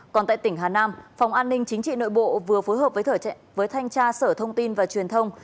còn tại tỉnh hà nam phòng an ninh chính trị nội bộ vừa phối hợp với thanh tra sở thông tin và truyền thông